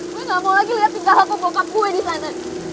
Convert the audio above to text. gue gak mau lagi liat tinggal kok bokap gue disana